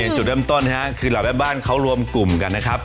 จุดเริ่มต้นคือหลายแบบบ้านเขารวมกลุ่มกันนะครับ